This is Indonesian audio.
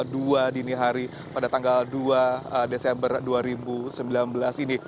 dua dini hari pada tanggal dua desember dua ribu sembilan belas ini